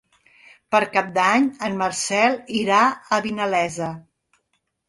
Per Cap d'Any en Marcel irà a Vinalesa.